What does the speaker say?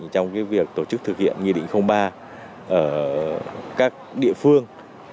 trong việc tổ chức thực hiện nghị định ba ở các địa phương